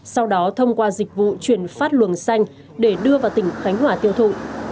sau đó thông qua dịch vụ chuyển phát luồng xanh để đưa vào tỉnh khánh hòa tiêu thụ